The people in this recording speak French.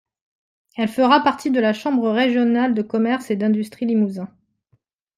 Elle fera partie de la Chambre régionale de commerce et d'industrie Limousin.